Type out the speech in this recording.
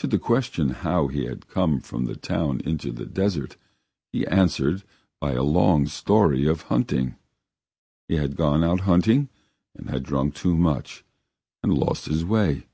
To the question how he had come from the town into the desert, he answered by a long story of hunting; he had gone out hunting, had drunk too much, and lost his way.